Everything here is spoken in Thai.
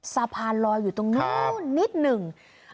สะพานลอยอยู่ตรงนู้นนิดหนึ่ง